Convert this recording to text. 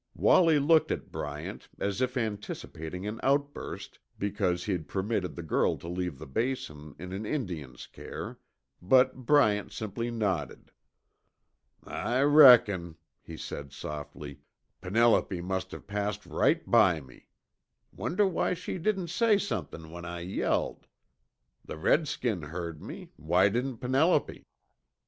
Wallie looked at Bryant as if anticipating an outburst because he'd permitted the girl to leave the Basin in an Indian's care, but Bryant simply nodded. "I reckon," he said softly, "Penelope must have passed right by me. Wonder why she didn't say somethin' when I yelled. The redskin heard me; why didn't Penelope?"